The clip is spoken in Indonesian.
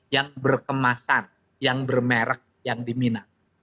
yang berkemasan yang bermerek yang diminat